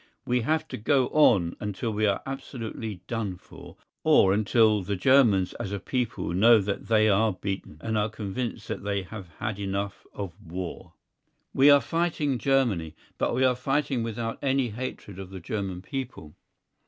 We have to go on until we are absolutely done for, or until the Germans as a people know that they are beaten, and are convinced that they have had enough of war. We are fighting Germany. But we are fighting without any hatred of the German people.